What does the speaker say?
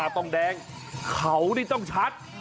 ต้องแดงเขานี่ต้องชัด